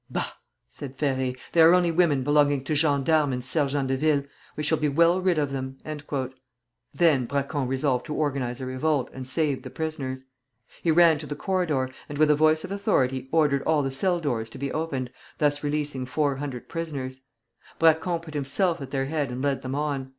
"Bah!" said Ferré, "they are only women belonging to gendarmes and sergents de ville; we shall be well rid of them." Then Braquond resolved to organize a revolt, and save the prisoners. He ran to the corridor, and with a voice of authority ordered all the cell doors to be opened, thus releasing four hundred prisoners. Braquond put himself at their head and led them on.